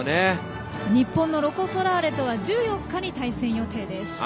日本のロコ・ソラーレとは１４日に対戦予定です。